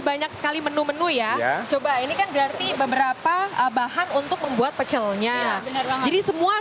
banyak sekali menu menu ya coba ini kan berarti beberapa bahan untuk membuat pecelnya jadi semua